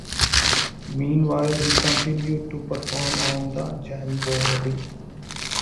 Meanwhile, he continued to perform on the "Jamboree".